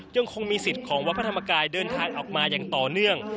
ยังคงมีสิทธิ์ของวัดพระธรรมกายเดินทางออกมาอย่างต่อเนื่อง